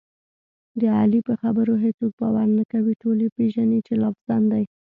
د علي په خبرو هېڅوک باور نه کوي، ټول یې پېژني چې لافزن دی.